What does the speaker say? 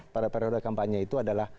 pada periode kampanye itu adalah